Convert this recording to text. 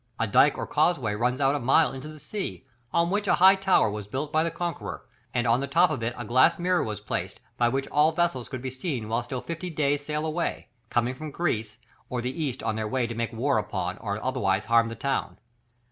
A dike or causeway runs out a mile into the sea, on which a high tower was built by the conqueror, and on the top of it a glass mirror was placed, by which all vessels could be seen while still fifty days' sail away, coming from Greece or the east on their way to make war upon or otherwise harm the town.